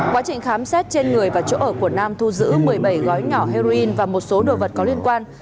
quá trình khám xét trên người và chỗ ở của nam thu giữ một mươi bảy gói nhỏ heroin và một số đồ vật có liên quan